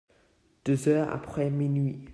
Deux heures après minuit.